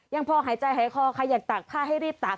ยังพอหายใจหายคอใครอยากตากผ้าให้รีบตาก